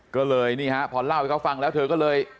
ก็เลยนี่ฮะพอเล่าให้เขาฟังแล้วเธอก็เลย